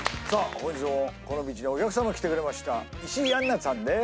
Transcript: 本日もこのビーチにお客様来てくれました石井杏奈ちゃんです